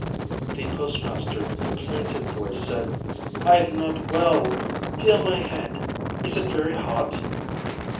The postmaster in a plaintive voice said: 'I am not well. Feel my head; is it very hot?'